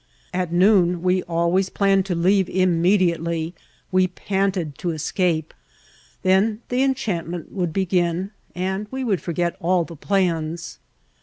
At noon we always planned to leave immediately, we panted to escape; then the en chantment would begin and we would forget all the plans.